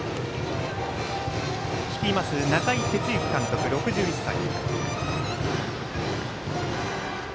率います中井哲之監督、６１歳。